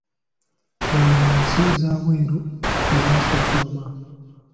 Eyo mu nsi z’abeeru ezaasukkuluma.